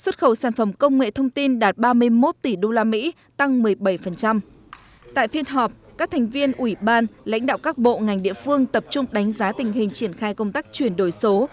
tại phiên họp các thành viên ủy ban lãnh đạo các bộ ngành địa phương tập trung đánh giá tình hình triển khai công tác chuyển đổi số